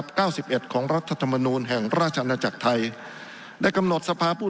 หรือว่ามันอย่างศาลินบุไลภาคและลูกผู้ชู